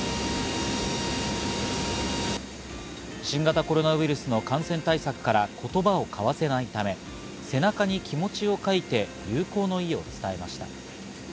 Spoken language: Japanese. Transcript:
新型コロナウイルスの感染対策から言葉を交わせないため、背中に気持ちを書いて、友好の意を伝えました。